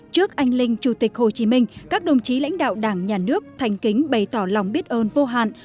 trước anh linh chủ tịch hồ chí minh các đồng chí lãnh đạo đảng nhà nước thành kính bày tỏ lòng biết ơn vô hạn